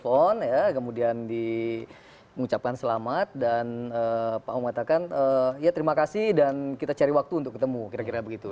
pak agus telpon ya kemudian di mengucapkan selamat dan pak ahok mengatakan ya terima kasih dan kita cari waktu untuk ketemu kira kira begitu